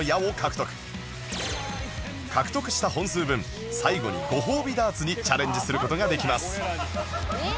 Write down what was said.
獲得した本数分最後にご褒美ダーツにチャレンジする事ができます